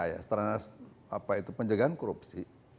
ya strana apa itu penjagaan korupsi